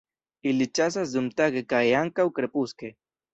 Ili ĉasas dumtage kaj ankaŭ krepuske.